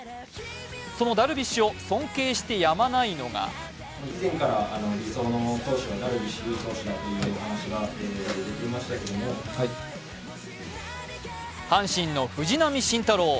そのダルビッシュを尊敬してやまないのが阪神の藤浪晋太郎。